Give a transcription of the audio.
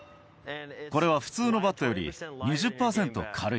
これは普通のバットより２０％軽い。